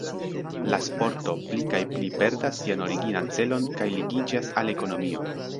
La sporto pli kaj pli perdas sian originan celon kaj ligiĝas al ekonomio.